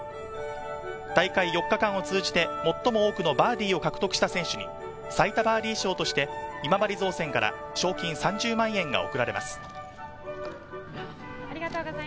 大会４日間を通じて最も多くのバーディーを獲得した選手に最多バーディ賞として今治造船から賞金３０万円が贈られます。